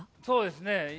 そうですね